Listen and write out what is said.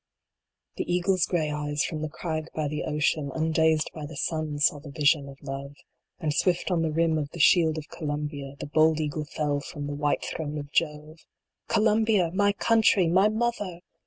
The Eagle s gray eyes, from the crag by the ocean, Undazed by the sun, saw the vision of love, PRO PATRIA. 93 And swift on the rim of the shield of Columbia, The bold Eagle fell from the white throne of Jove ! Columbia ! My Country ! My Mother